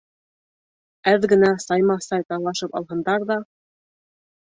Әҙ генә сайма-сай талашып алһындар ҙа...